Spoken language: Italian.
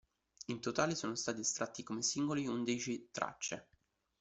In totale, sono stati estratti come singoli undici tracce.